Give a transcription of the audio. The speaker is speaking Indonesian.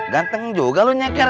ganteng juga lu nyeker